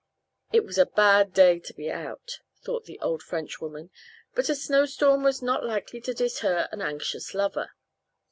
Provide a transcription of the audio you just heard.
It was a bad day to be out, thought the old Frenchwoman; but a snowstorm was not likely to deter an anxious lover.